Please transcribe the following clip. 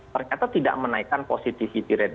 ternyata tidak menaikkan positivity rate